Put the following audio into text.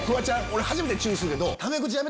俺初めて注意するけど。